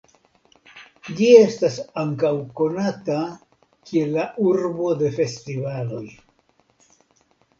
Ĝi estas ankaŭ konata kiel "La Urbo de Festivaloj".